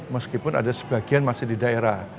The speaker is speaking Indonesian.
meskipun ada sebagian masih di daerah